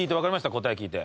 答え聞いて。